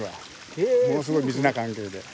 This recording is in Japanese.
ものすごい密な関係で。